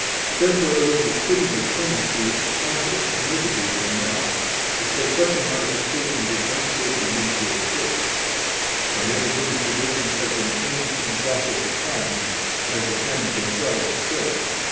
Therefore it would be befitting the clemency of the Pontiffs to mitigate them now, because such a modification does not shake the unity of the Church. For many human traditions have been changed in process of time, 75 as the Canons themselves show.